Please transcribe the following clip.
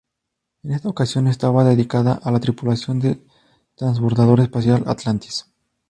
En esta ocasión estaba dedicada a la tripulación del transbordador espacial "Atlantis.